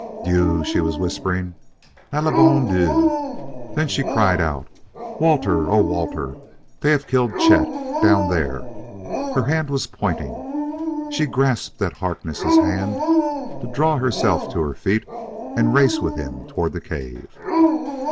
"Dieu!" she was whispering; "Ah, le bon Dieu!" Then she cried out: "Walter! Oh, Walter, they have killed Chet! Down there!" Her hand was pointing. She grasped at Harkness' hand to draw herself to her feet and race with him toward the cave.